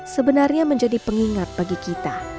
sebenarnya menjadi pengingat bagi kita